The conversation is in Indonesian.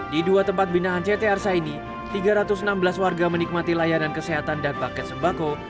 di dua tempat binaan ct arsa ini tiga ratus enam belas warga menikmati layanan kesehatan dan paket sembako